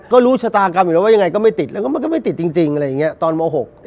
ก็รู้ชะตากรรมอยู่แล้วว่ายังไงก็ไม่ติดแล้วก็มันก็ไม่ติดจริงอะไรอย่างนี้ตอนม๖